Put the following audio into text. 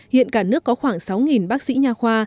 hiện cả nước có khoảng sáu bác sĩ nhà khoa